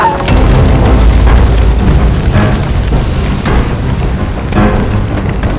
ya pak makasih ya pak